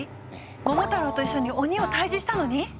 桃太郎と一緒に鬼を退治したのに？